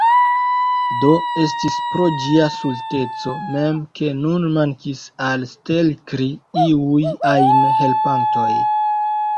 Do, estis pro ĝia stulteco mem ke nun mankis al Stelkri iuj ajn helpantoj.